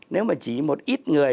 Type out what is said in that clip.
nếu mà chỉ một ít người